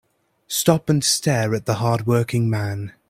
Stop and stare at the hard working man.